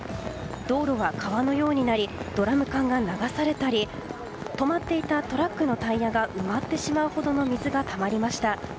道路は川のようになりドラム缶が流されたり止まっていたトラックのタイヤが埋まってしまうほどの水がたまりました。